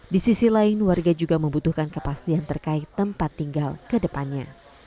di sisi lain warga juga membutuhkan kepastian terkait tempat tinggal kedepannya